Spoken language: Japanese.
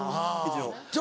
一応。